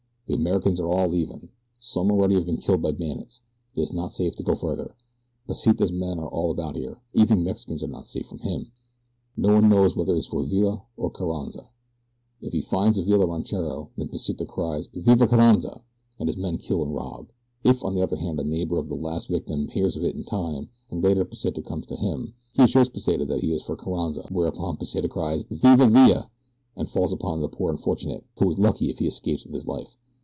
The Americans are all leaving. Some already have been killed by bandits. It is not safe to go farther. Pesita's men are all about here. Even Mexicans are not safe from him. No one knows whether he is for Villa or Carranza. If he finds a Villa ranchero, then Pesita cries Viva Carranza! and his men kill and rob. If, on the other hand, a neighbor of the last victim hears of it in time, and later Pesita comes to him, he assures Pesita that he is for Carranza, whereupon Pesita cries Viva Villa! and falls upon the poor unfortunate, who is lucky if he escapes with his life.